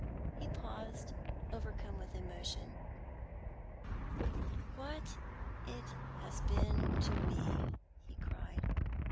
He paused, overcome with emotion. "What it has been to me!" he cried.